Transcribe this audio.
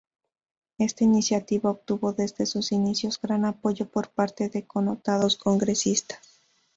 Esta iniciativa obtuvo desde sus inicios gran apoyo por parte de connotados congresistas.